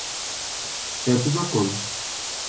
Это закон.